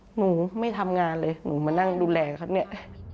หนูไม่ทำงานเลยหนูมานั่งดูแลเขาเนี่ย